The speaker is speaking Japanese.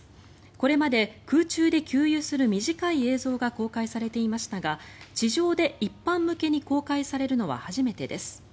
これまで空中で給油する短い映像が公開されていましたが地上で一般向けに公開されるのは初めてです。